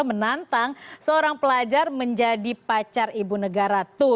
menantang seorang pelajar menjadi pacar ibu negara dua